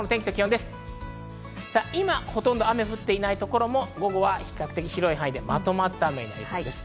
今ほとんど雨が降っていないところも、午後は比較的広い範囲でまとまった雨降りそうです。